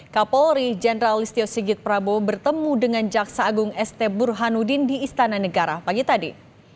kapolri jenderal listio sigit prabowo bertemu dengan jaksa agung st burhanuddin di istana negara pagi tadi